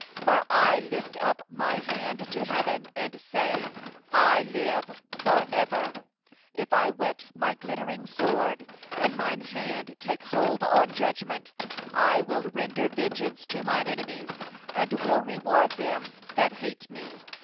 40For I lift up My hand to heaven, And say: As I live for ever, 41If I whet My glittering sword, And My hand take hold on judgment; I will render vengeance to Mine adversaries, And will recompense them that hate Me.